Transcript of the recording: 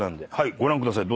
ご覧ください。